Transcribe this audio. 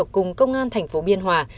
cùng công an thành phố biên hòa